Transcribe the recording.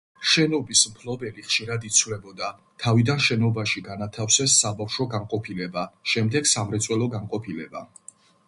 შენობის მფლობელი ხშირად იცვლებოდა, თავიდან შენობაში განათავსეს საბავშვო განყოფილება, შემდეგ სამრეწველო განყოფილება.